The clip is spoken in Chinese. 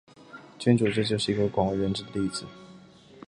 君主制就是一个广为人知的例子。